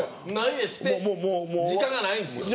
時間がないんですって。